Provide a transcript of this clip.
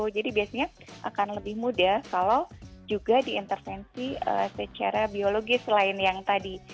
jadi biasanya akan lebih mudah kalau juga diintervensi secara biologis selain yang tadi